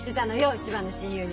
一番の親友に。